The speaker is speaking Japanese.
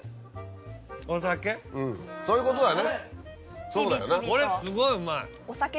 そういうことだね。